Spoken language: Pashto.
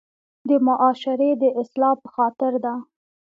د معاشري د اصلاح پۀ خاطر ده